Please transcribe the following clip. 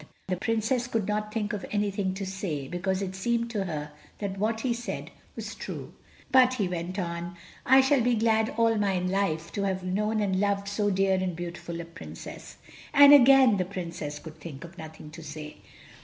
The Princess could not think of anything to say, because it seemed to her that what he said was true. "But," he went on, "I shall be glad all my life to have known and loved so dear and beautiful a Princess." And again the Princess could think of nothing to say.